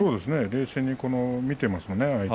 冷静に相手を見ていますね。